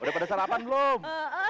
udah pada sarapan belum